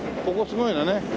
ここすごいのね。